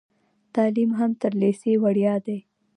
تعلیم هم تر لیسې وړیا دی.